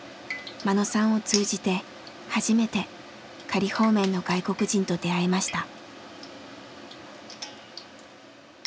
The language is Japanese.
眞野さんを通じて初めて仮放免の外国人と出会いました。